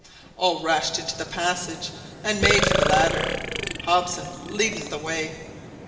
All rushed into the passage and made for the ladder, Hobson leading the way.